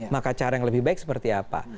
maka cara yang lebih baik seperti apa